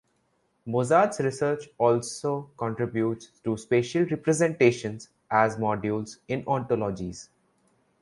Moratz’s research also contributes to spatial representations as modules in ontologies.